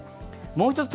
もう一つ